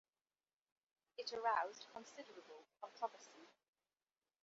It aroused considerable controversy.